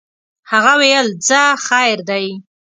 هغه ویل ځه خیر دی.